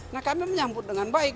nah kami menyambut dengan baik